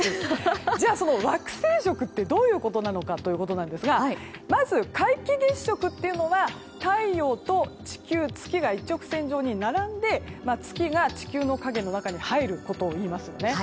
じゃあ惑星食ってどういうことなのかですがまず、皆既月食というのは太陽と地球が一直線上に並んで月が地球の影の中に入ることを言いますね。